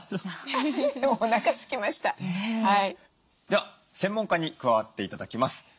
では専門家に加わって頂きます。